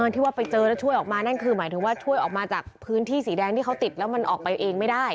ที่ว่าไปเจอแล้วช่วยออกมานั่นคือหมายถึงว่าช่วยออกมาจากพื้นที่สีแดงที่เขาติดแล้วมันออกไปเองไม่ได้